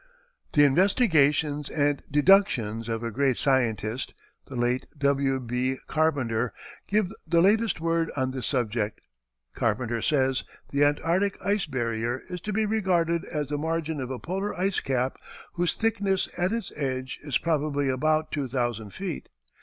The investigations and deductions of a great scientist, the late W. B. Carpenter, give the latest word on this subject. Carpenter says: "The Antarctic ice barrier is to be regarded as the margin of a polar ice cap whose thickness at its edge is probably about two thousand feet....